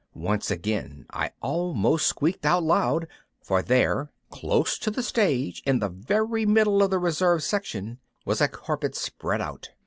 Once again I almost squeaked out loud. For out there, close to the stage, in the very middle of the reserve section, was a carpet spread out.